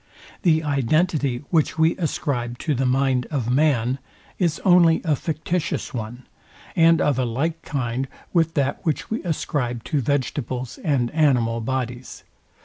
The identity, which we ascribe to the mind of man, is only a fictitious one, and of a like kind with that which we ascribe to vegetables and animal bodies.